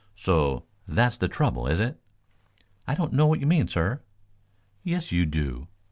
"So that's the trouble, is it?" "I don't know what you mean, sir?" "Yes you do.